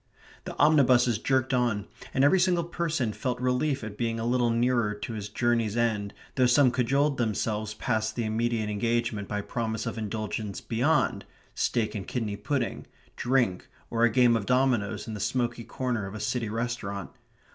The omnibuses jerked on, and every single person felt relief at being a little nearer to his journey's end, though some cajoled themselves past the immediate engagement by promise of indulgence beyond steak and kidney pudding, drink or a game of dominoes in the smoky corner of a city restaurant.